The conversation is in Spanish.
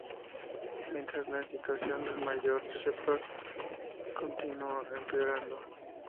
Mientras, la situación del Mayor Sheppard continúa empeorando.